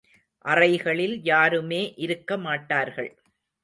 அறைகளில் யாருமே இருக்க மாட்டார்கள்.